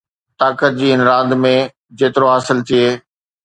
طاقت جي هن راند ۾ جيترو حاصل ٿئي